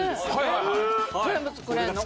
全部作れるの？